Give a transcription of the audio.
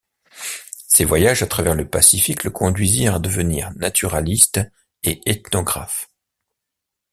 Ses voyages à travers le Pacifique le conduisirent à devenir naturaliste et ethnographe.